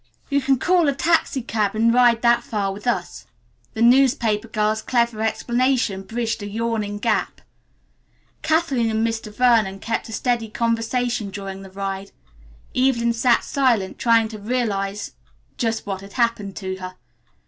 You can call a taxicab and ride that far with us." The newspaper girl's clever explanation bridged a yawning gap. Kathleen and Mr. Vernon kept up a steady conversation during the ride. Evelyn sat silent, trying to realize just what had happened to her.